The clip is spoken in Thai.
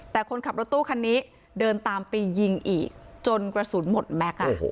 แต่คนขับรถตู้คันนี้เดินตามไปยิงอีกจนกระสุนหมดแม็กซ์